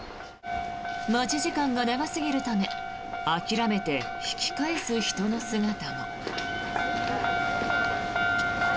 待ち時間が長すぎるため諦めて引き返す人の姿も。